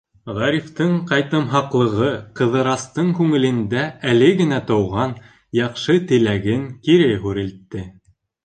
Ғарифтың ҡайтымһаҡлығы Ҡыҙырастың күңелендә әле генә тыуған яҡшы теләген кире һүрелтте.